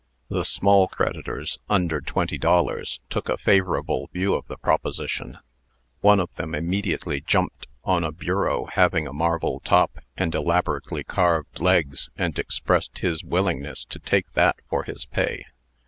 The small creditors, under twenty dollars, took a favorable view of the proposition. One of them immediately jumped on a bureau having a marble top and elaborately carved legs, and expressed his willingness to take that for his pay.